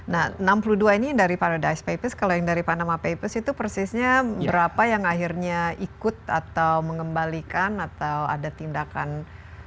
nah enam puluh dua ini dari paradise papers kalau yang dari panama papers itu persisnya berapa yang akhirnya ikut atau mengembalikan atau ada tindakan